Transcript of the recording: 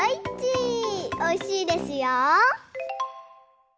おいしいですよ。